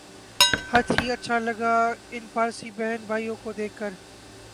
ہت ھی اچھا لگا ان پارسی بہن بھائیوں کو دیکھ کر